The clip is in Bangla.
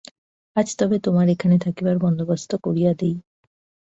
আজ তবে তোমার এখানে থাকিবার বন্দোবস্ত করিয়া দিই।